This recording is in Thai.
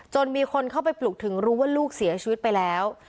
มีคนเข้าไปปลุกถึงรู้ว่าลูกเสียชีวิตไปแล้ว